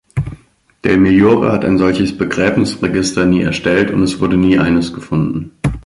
Del Migliore hat ein solches Begräbnisregister nie erstellt und es wurde nie eines gefunden.